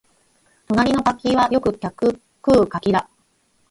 隣の柿はよく客食う柿だ